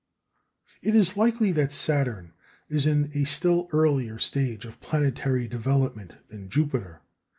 It is likely that Saturn is in a still earlier stage of planetary development than Jupiter.